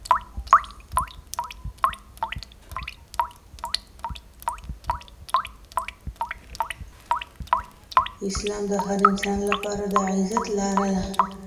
اسلام د هر انسان لپاره د عزت لاره ده.